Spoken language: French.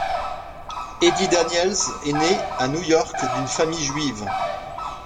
Eddie Daniels est né à New York d'une famille juive.